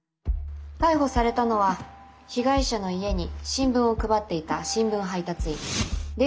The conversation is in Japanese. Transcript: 逮捕されたのは被害者の家に新聞を配っていた新聞配達員出口聖大当時４０歳。